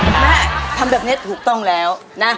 แม่ทำแบบนี้ถูกต้องแล้วนะ